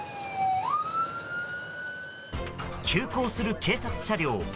急行する警察車両。